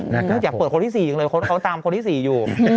อยากเปิดคนที่๔เลยเขาตามคนที่๔อยู่